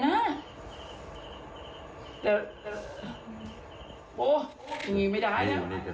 โอ้อย่างนี้ไม่ได้นะ